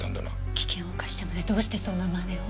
危険を冒してまでどうしてそんな真似を？